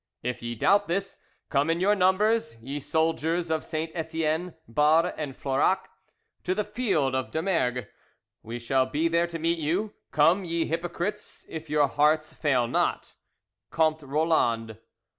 If ye doubt this, come in your numbers, ye soldiers of St. Etienne, Barre, and Florac, to the field of Domergue; we shall be there to meet you. Come, ye hypocrites, if your hearts fail not. "COMTE ROLAND."